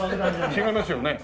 違いますよね？